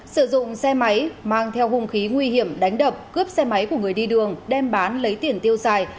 sử dụng xe máy mang theo hung khí nguy hiểm đánh đập cướp xe máy của người đi đường đem bán lấy tiền tiêu xài